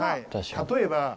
例えば。